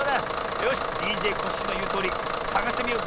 よしＤＪコッシーのいうとおりさがしてみようぜ。